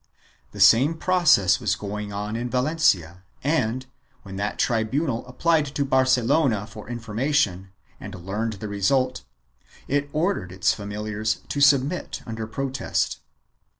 The same process was going on in Valencia and, when that tribunal applied to Barcelona for information and learned the result, it ordered its familiars to submit under protest.